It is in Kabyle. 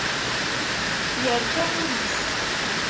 Yerka wul-is.